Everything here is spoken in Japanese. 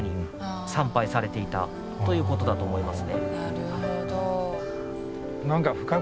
なるほど。